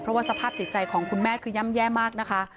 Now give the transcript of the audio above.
เพราะว่าสภาพจิตใจของคุณแม่คือย่ำแย่มากนะคะ